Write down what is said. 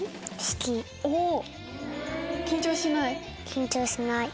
緊張しない？